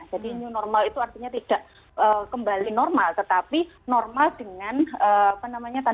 jadi new normal itu artinya tidak kembali normal tetapi normal dengan apa namanya